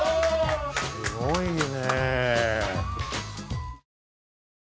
すごいね。